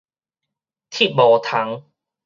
鐵帽蟲